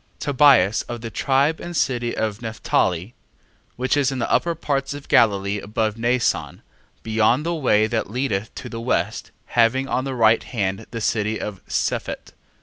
1:1. Tobias of the tribe and city of Nephtali, (which is in the upper parts of Galilee above Naasson, beyond the way that leadeth to the west, having on the right hand the city of Sephet,) 1:2.